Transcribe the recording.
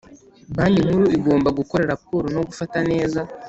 Banki Nkuru igomba gukora raporo no gufata neza